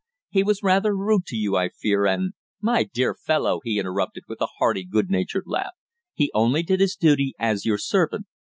He was rather rude to you, I fear, and " "My dear fellow!" he interrupted, with a hearty, good natured laugh. "He only did his duty as your servant.